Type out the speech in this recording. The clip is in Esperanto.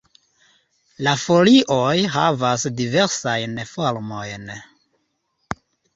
La folioj havas diversajn formojn.